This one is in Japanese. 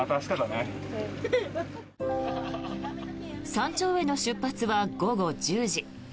山頂への出発は午後１０時。